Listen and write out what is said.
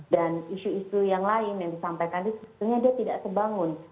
dan isu isu yang lain yang disampaikan itu sebetulnya dia tidak terbangun